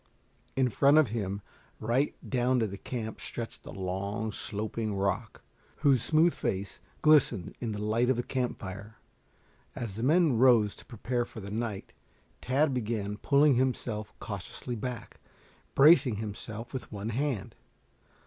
In front of him, right down to the camp stretched a long, sloping rock, whose smooth face, glistened in the light of the camp fire. As the men rose to prepare for the night, Tad began pulling himself cautiously back, bracing himself with one hand.